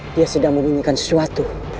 dia sedang memiliki sesuatu